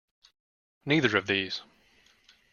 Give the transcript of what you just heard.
Neither of these.